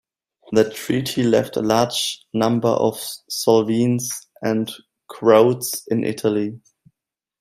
The treaty left a large number of Slovenes and Croats in Italy.